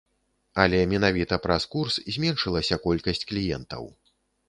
Але менавіта праз курс зменшылася колькасць кліентаў.